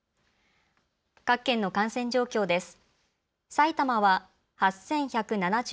各県の感染状況です。